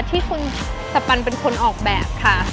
ที่คุณสปันเป็นคนออกแบบค่ะ